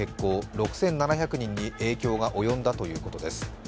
６７００人に影響が及んだということです。